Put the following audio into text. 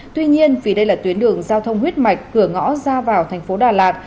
tuy nhiên vì đây là tuyến đường giao thông huyết mạch cửa ngõ ra vào thành phố đà lạt